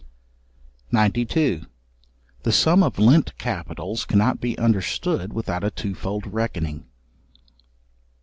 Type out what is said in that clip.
§92. The sum of lent capitals cannot be understood without a two fold reckoning.